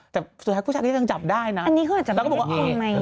แต่สุดท้ายผู้ชายก็ยังจับได้นะแล้วก็บอกว่าอันนี้คืออาจจะเป็นผู้หญิงไหม